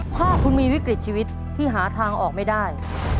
ถ้าคุณมีวิกฤตชีวิตที่หาทางออกไม่ได้